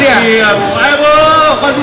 tidak cuma musim